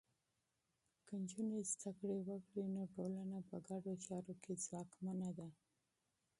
که نجونې زده کړه وکړي، نو ټولنه په ګډو چارو کې ځواکمنه ده.